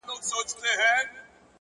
پوه انسان تل د ودې په حال وي,